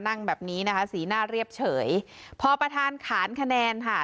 นั่งแบบนี้นะคะสีหน้าเรียบเฉยพอประธานขานคะแนนค่ะ